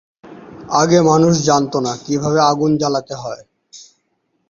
আগে মানুষ জানতো না কিভাবে আগুন জ্বালাতে হয়।